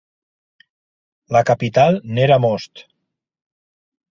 La capital n'era Mons.